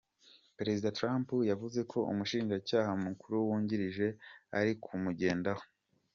Perezida Trump yavuze ko umushinjacyaha mukuru wungirije ari kumugendaho.